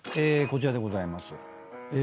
こちらでございます。